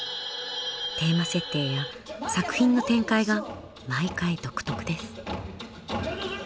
テーマ設定や作品の展開が毎回独特です。